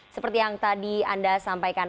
seperti yang tadi anda sampaikan